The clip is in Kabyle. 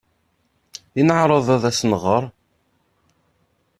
I neɛreḍ ad as-nɣer?